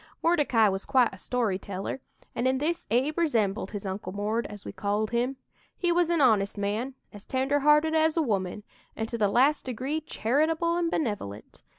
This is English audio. "Mordecai was quite a story teller, and in this Abe resembled his 'Uncle Mord,' as we called him. He was an honest man, as tender hearted as a woman, and to the last degree charitable and benevolent.